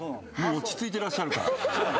落ち着いてらっしゃるから。